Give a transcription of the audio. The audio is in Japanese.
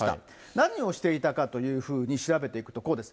何をしていたかというふうに調べていくとこうです。